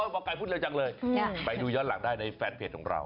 หมอไก่พูดเร็วจังเลยไปดูย้อนหลังได้ในแฟนเพจของเรา